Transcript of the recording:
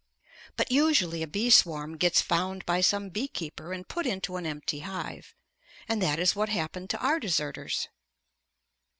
But usually a bee swarm gets found by some bee keeper and put into an empty hive. And that is what happened to our deserters.